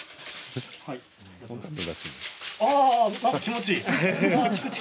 気持ちいい。